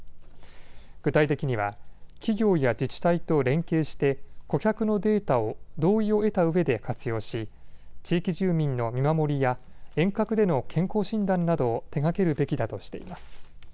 具体的には企業や自治体と連携して顧客のデータを同意を得たうえで活用し地域住民の見守りや遠隔での健康診断などを手がけるべきだとしています。